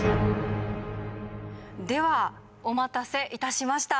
ではお待たせいたしました。